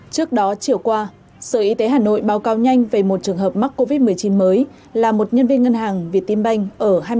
trước đó chiều qua sở y tế hà nội báo cáo nhanh về một trường hợp mắc covid một mươi chín mới là một nhân viên ngân hàng việt tiên banh ở